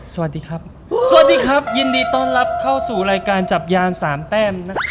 สวัสดีครับสวัสดีครับยินดีต้อนรับเข้าสู่รายการจับยามสามแต้มนะครับ